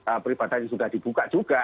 ibadah yang peribadah yang sudah dibuka juga